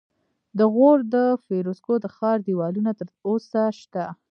د غور د فیروزکوه د ښار دیوالونه تر اوسه شته